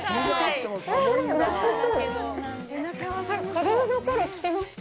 子供のころ、着てました。